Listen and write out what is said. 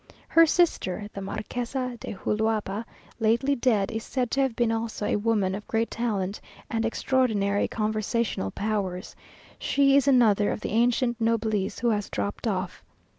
Her sister, the Marquesa de Juluapa, lately dead, is said to have been also a woman of great talent and extraordinary conversational powers; she is another of the ancient noblesse who has dropped off.